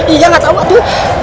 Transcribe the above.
iya gak tau itu